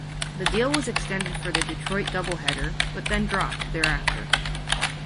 The deal was extended for the Detroit doubleheader but then dropped thereafter.